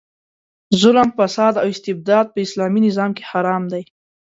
ظلم، فساد او استبداد په اسلامي نظام کې حرام دي.